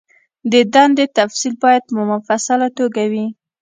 د دندې تفصیل باید په مفصله توګه وي.